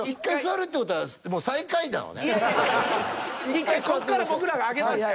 １回そっから僕らが上げますから。